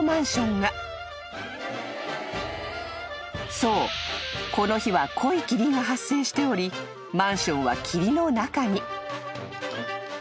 ［そうこの日は濃い霧が発生しておりマンションは霧の中に］